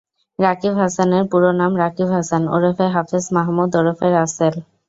রাকিব হাসানের পুরো নাম রাকিব হাসান ওরফে হাফেজ মাহমুদ ওরফে রাসেল।